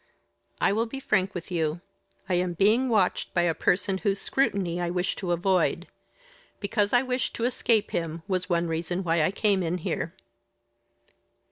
"I will be frank with you. I am being watched by a person whose scrutiny I wish to avoid. Because I wished to escape him was one reason why I came in here."